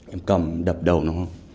em cầm đập đầu nó